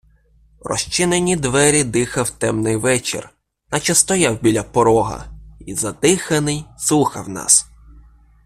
В розчинені двері дихав темний вечір, наче стояв біля порога й, задиханий, слухав нас.